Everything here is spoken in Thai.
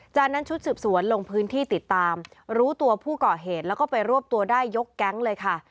จากนั้นชุดสืบสวนลงพื้นที่ติดตามรู้ตัวผู้ก่อเหตุแล้วก็ไปรวบตัวได้ยกแก๊งเลยค่ะ